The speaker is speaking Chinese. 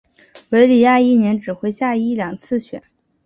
韦里亚一年只会下一两次雪。